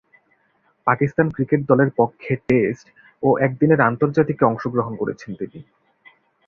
Pakistan cricket দলের পক্ষে test ও একদিনের আন্তর্জাতিকে অংশগ্রহণ করেছেন তিনি।